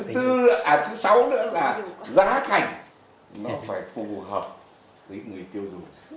thứ sáu nữa là giá thành mà phải phù hợp với người tiêu dùng